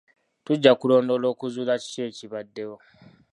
Tujja kulondoola okuzuula kiki ekibaddewo.